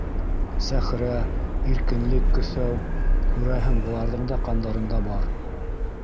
Сәхрә, иркенлек көҫәү, күрәһең, быларҙың да ҡандарында бар.